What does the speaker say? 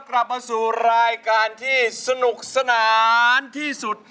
กลับมาสู่รายการที่สนุกสนานที่สุด